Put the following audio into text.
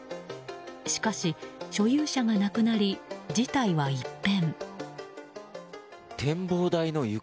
しかし、所有者が亡くなり事態は一変。